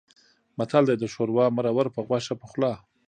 متل دی: د شوروا مرور په غوښه پخلا.